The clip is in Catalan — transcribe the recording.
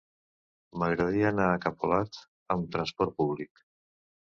M'agradaria anar a Capolat amb trasport públic.